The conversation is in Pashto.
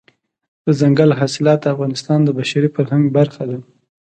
دځنګل حاصلات د افغانستان د بشري فرهنګ برخه ده.